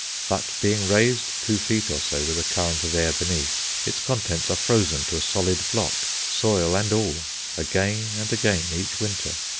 But being raised two feet or so, with a current of air beneath, its contents are frozen to a solid block, soil and all, again and again, each winter.